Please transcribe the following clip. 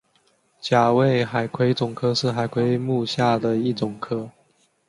甲胄海葵总科是海葵目下的一总科。